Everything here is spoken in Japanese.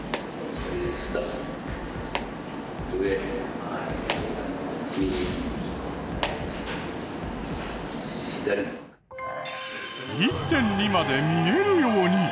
１．２まで見えるように！